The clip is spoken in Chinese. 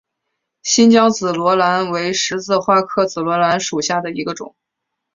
新疆紫罗兰为十字花科紫罗兰属下的一个种。